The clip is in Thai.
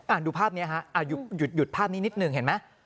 อ่านดูภาพนี้หยุดภาพนี้นิดหนึ่งเห็นไหม